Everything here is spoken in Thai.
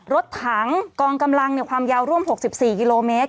รถถังกองกำลังความยาวร่วม๖๔กิโลเมตร